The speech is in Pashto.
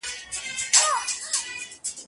انارکلي! دا مرغلري اوښکي چاته ور وړې؟